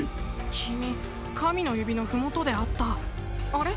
君神の指の麓で会ったあれ？